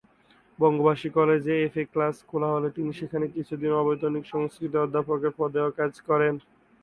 বঙ্গবাসী কলেজে FA class খোলা হলে তিনি সেখানে কিছুদিন অবৈতনিক সংস্কৃত অধ্যাপকের পদেও কাজ করেন।